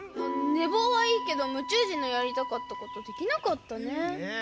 ねぼうはいいけどむちゅう人のやりたかったことできなかったね。